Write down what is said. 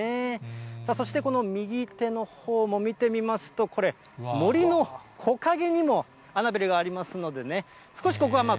さあそして、この右手のほうも見てみますと、これ、森の木陰にもアナベルがありますのでね、少しここはまあ